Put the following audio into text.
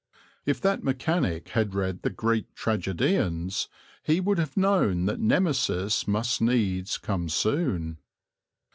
If that mechanic had read the Greek tragedians he would have known that Nemesis must needs come soon.